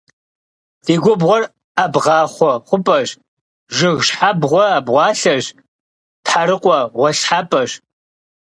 Ди губгъуэр ӏэбгъахъуэ хъупӏэщ, жыг щхьэбгъуэ абгъуалъэщ, тхьэрыкъуэ гъуэлъхьапӏэщ.